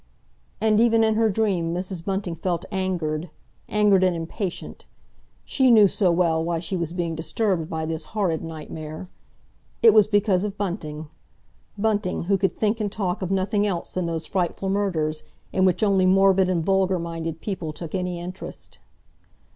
And even in her dream Mrs. Bunting felt angered—angered and impatient. She knew so well why she was being disturbed by this horrid nightmare! It was because of Bunting—Bunting, who could think and talk of nothing else than those frightful murders, in which only morbid and vulgar minded people took any interest.